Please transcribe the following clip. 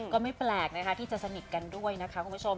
มันไม่แปลกนะเพราะจะสนิทกันด้วยคุณผู้ชม